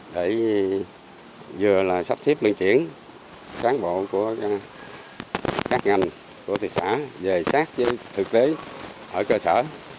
để vừa là sắp xếp luân chuyển cán bộ của các ngành của thị xã về sát với thực tế ở cơ sở